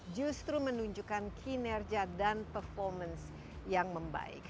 justru menunjukkan kinerja dan performance yang membaik